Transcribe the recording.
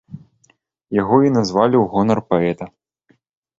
Яго і назвалі ў гонар паэта.